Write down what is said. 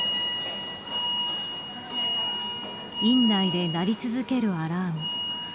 院内で鳴り続けるアラーム。